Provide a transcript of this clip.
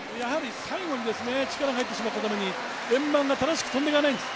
最後に力が入ってしまったために円盤が正しく飛んでいかないんです。